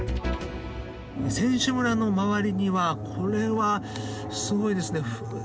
選手村の周りにはこれは、すごいですね。